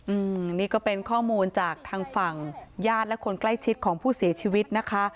อืมนี่ก็เป็นข้อมูลจากทางฝั่งญาติและคนใกล้ชิดของผู้เสียชีวิตนะคะ